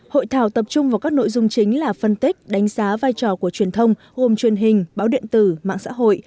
hội thảo tập trung vào các nội dung chính là phân tích đánh giá vai trò của truyền thông gồm truyền hình báo điện tử mạng xã hội